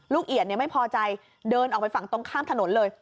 เอียดไม่พอใจเดินออกไปฝั่งตรงข้ามถนนเลย